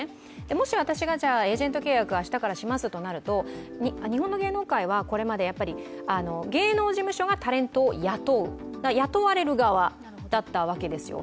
もし、私がエージェント契約を明日からしますとなると、日本の芸能界はこれまで芸能事務所がタレントを雇う、雇われる側だったわけですよ。